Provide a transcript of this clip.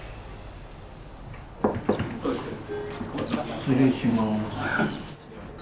失礼します。